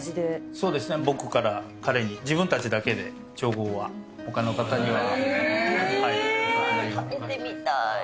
そうですね、僕から彼に、自分たちだけで調合は、ほかの方には。食べてみたい。